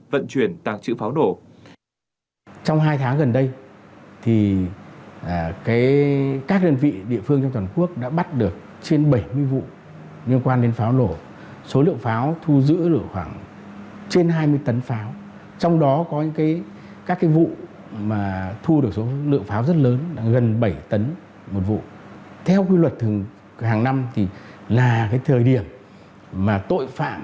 vận chuyển tạng chữ pháo nổ